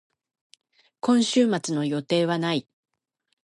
今週末の予定はない。